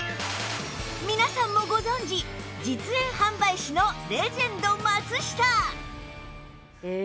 皆さんもご存じ実演販売士のレジェンド松下